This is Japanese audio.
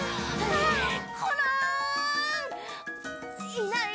いない。